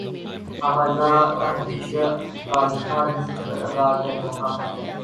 ہم اللہ کا جتنا بھی شکر ادا کریں وہ کم ہے